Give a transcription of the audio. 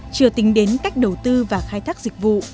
chưa tính đến cách đầu tư và khai thác dịch vụ